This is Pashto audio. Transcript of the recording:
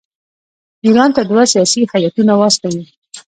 ایران ته دوه سیاسي هیاتونه واستوي.